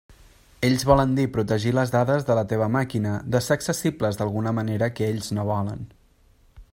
Ells volen dir protegir les dades de la teva màquina de ser accessibles d'alguna manera que ells no volen.